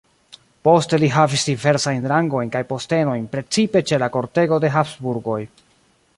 Poste li havis diversajn rangojn kaj postenojn precipe ĉe la kortego de Habsburgoj.